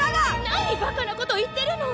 何ばかなこと言ってるの！